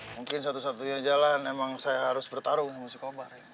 mungkin satu satunya jalan emang saya harus bertarung musik kobar